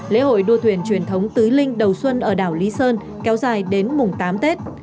lễ hội đua thuyền truyền thống tứ linh đầu xuân ở đảo lý sơn kéo dài đến mùng tám tết